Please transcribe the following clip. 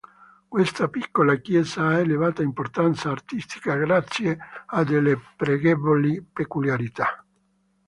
Questa piccola chiesa ha elevata importanza artistica grazie a delle pregevoli peculiarità.